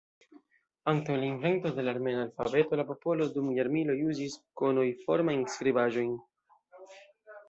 Antaŭ la invento de la armena alfabeto la popolo dum jarmiloj uzis kojnoformajn skribaĵojn.